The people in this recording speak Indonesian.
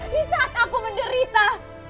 di saat aku menderita